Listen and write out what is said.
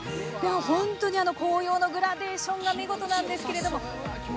本当に紅葉のグラデーションが見事なんですけれども。